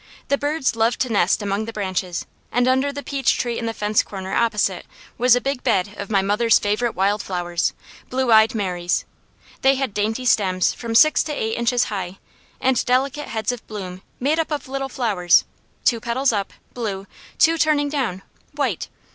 The birds loved to nest among the branches, and under the peach tree in the fence corner opposite was a big bed of my mother's favourite wild flowers, blue eyed Marys. They had dainty stems from six to eight inches high and delicate heads of bloom made up of little flowers, two petals up, blue, two turning down, white.